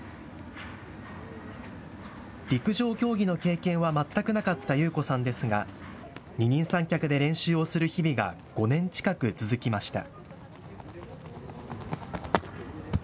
陸上競技の経験は全くなかった裕子さんですが二人三脚で練習をする日々が５年近く続きました。